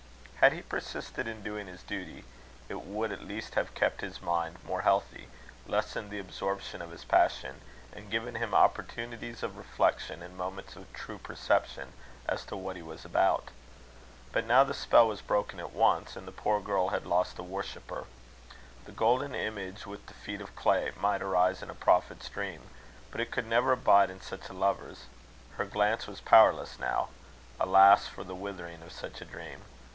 Had he persisted in doing his duty, it would at least have kept his mind more healthy, lessened the absorption of his passion, and given him opportunities of reflection, and moments of true perception as to what he was about. But now the spell was broken at once, and the poor girl had lost a worshipper. The golden image with the feet of clay might arise in a prophet's dream, but it could never abide in such a lover's. Her glance was powerless now. Alas, for the withering of such a dream!